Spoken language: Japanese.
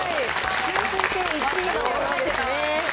吸水性１位のものですね。